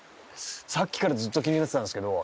さっきからずっと気になってたんですけど